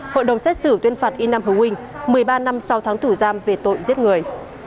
hội đồng xét xử tuyên phạt y nam hồ nguyên một mươi ba năm sau tháng thủ giam về tội giết người